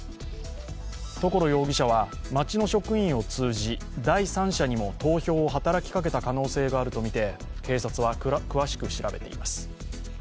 所容疑者は、町の職員を通じ第三者にも投票を働きかけた可能性があるとみて警察は詳しく調べています。